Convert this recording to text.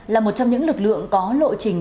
là một trong những lực lượng có lộ trình